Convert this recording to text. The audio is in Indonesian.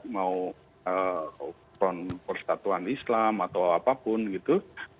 mau front persatuan islam atau apapun gitu